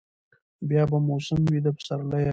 بیا به موسم وي د پسرلیو